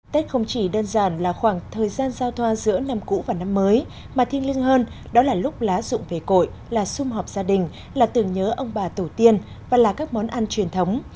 tết không chỉ đơn giản là khoảng thời gian giao thoa giữa năm cũ và năm mới mà thiên lưng hơn đó là lúc lá rụng về cội là xung họp gia đình là tưởng nhớ ông bà tổ tiên và là các món ăn truyền thống